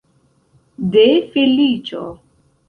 De feliĉo!